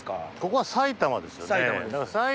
ここは埼玉ですよね。